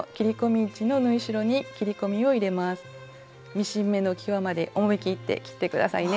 ミシン目のきわまで思いきって切って下さいね。